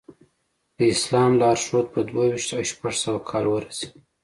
د اسلام لارښود په دوه ویشت او شپږ سوه کال ورسېد.